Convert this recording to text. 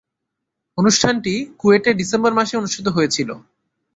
অনুষ্ঠানটি কুয়েটে ডিসেম্বর মাসে অনুষ্ঠিত হয়েছিলো।